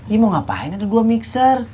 ibu mau ngapain ada dua mixer